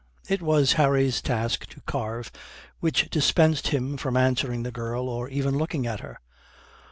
It was Harry's task to carve, which dispensed him from answering the girl or even looking at her.